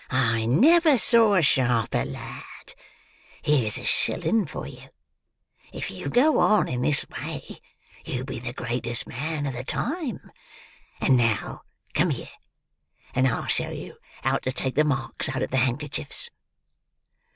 "I never saw a sharper lad. Here's a shilling for you. If you go on, in this way, you'll be the greatest man of the time. And now come here, and I'll show you how to take the marks out of the handkerchiefs."